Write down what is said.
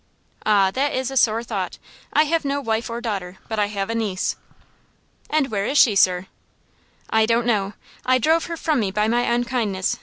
"Ah, that is a sore thought! I have no wife or daughter; but I have a niece." "And where is she, sir?" "I don't know. I drove her from me by my unkindness.